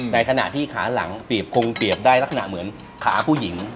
ในขณะที่ขาหลังคงเปรียบได้ลักหน้าเหมือนขาผู้หญิง